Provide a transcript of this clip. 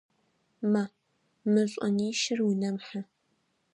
Ма, мы шӏонищыр унэм хьы!